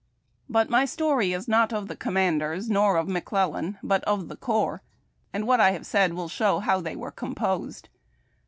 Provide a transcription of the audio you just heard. But my story is not of the commanders, nor of McClellan, but of the corps, and what I have said will show how they were composed.